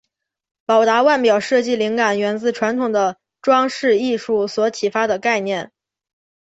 宝达腕表设计灵感源自传统的装饰艺术所启发的概念。